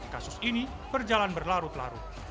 kasus ini berjalan berlarut larut